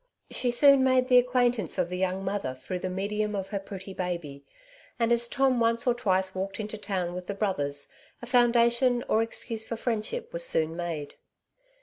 She soon made the acquaintance of the young mother through the medium of her pretty baby ; and as Tom once or twice walked into town with the brothers, a foundation or excuse for friend ship was soon made.